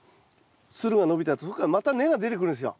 つるが伸びたとこからまた根が出てくるんですよ